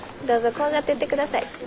どうぞ怖がってってください。